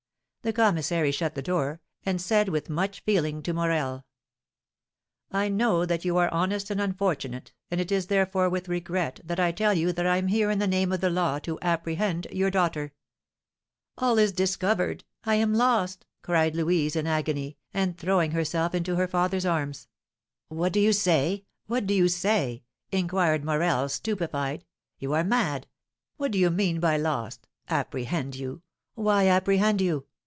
The commissary shut the door, and said with much feeling to Morel: "I know that you are honest and unfortunate, and it is, therefore, with regret that I tell you that I am here in the name of the law to apprehend your daughter." "All is discovered, I am lost!" cried Louise, in agony, and throwing herself into her father's arms. "What do you say? What do you say?" inquired Morel, stupefied. "You are mad! What do you mean by lost? Apprehend you! Why apprehend you?